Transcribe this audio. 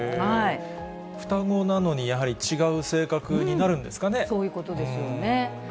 双子なのに、やはり違う性格そういうことですよね。